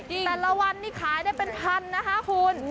แต่ละวันนี้ขายได้เป็นพันนะคะคุณ